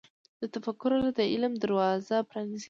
د تفکر ارزښت د علم دروازه پرانیزي.